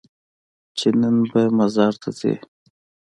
چې نن به مزار ته ځې؟